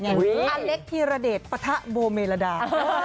อเล็กธีรเดชปะทะโบเมลดา